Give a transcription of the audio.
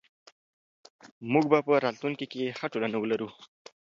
موږ به په راتلونکي کې ښه ټولنه ولرو.